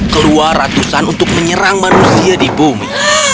keluar ratusan untuk menyerang manusia di bumi